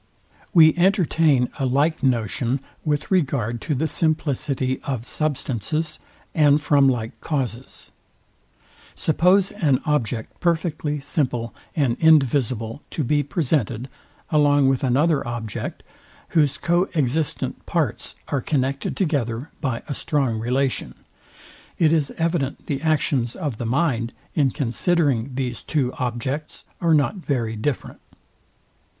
We entertain a like notion with regard to the simplicity of substances, and from like causes. Suppose an object perfectly simple and indivisible to be presented, along with another object, whose co existent parts are connected together by a strong relation, it is evident the actions of the mind, in considering these two objects, are not very different.